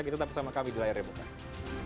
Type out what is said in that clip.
tetap bersama kami di layar remotasi